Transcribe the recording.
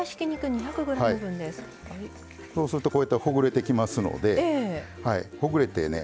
そうするとこういったほぐれてきますのでほぐれてね